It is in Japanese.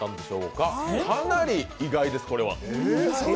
かなり意外です、これは。